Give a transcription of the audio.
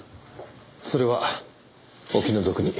それはお気の毒に。